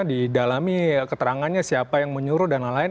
didalami keterangannya siapa yang menyuruh dan lain lain